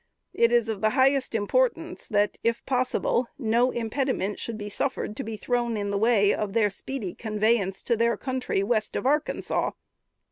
It is of the highest importance that, if possible, no impediments should be suffered to be thrown in the way of their speedy conveyance to their country, west of Arkansas."